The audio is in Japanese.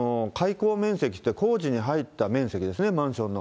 こう面積って工事に入った面積ですね、マンションの。